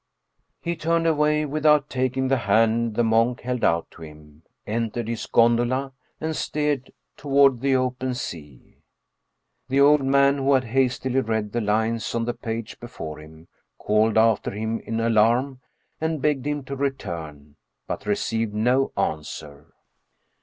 He turned away without taking the hand the monk held out to him, entered his gondola and steered toward the open sea. The old man, who had hastily read the lines on the page before him, called after him in alarm and begged him to return, but received no answer.